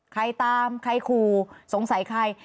ใครตามใครขู่สงสัยใคร